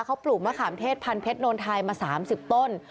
เขาปลูกมะขามเทศพันเพชรโนนไทยมา๓๐ต้น